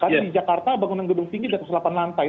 karena di jakarta bangunan gedung tinggi ada keselapan lantai